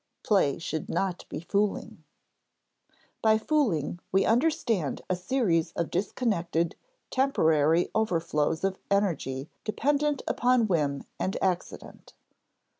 [Sidenote: Play should not be fooling,] By "fooling" we understand a series of disconnected temporary overflows of energy dependent upon whim and accident.